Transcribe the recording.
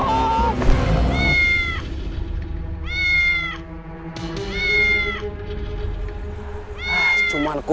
aku merasakan kehadiran pemanah rasa di sini kakak